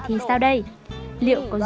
sao các bạn đang uống